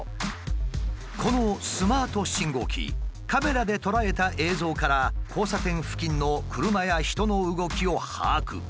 このスマート信号機カメラで捉えた映像から交差点付近の車や人の動きを把握。